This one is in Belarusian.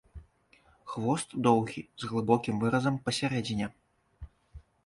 Хвост доўгі, з глыбокім выразам пасярэдзіне.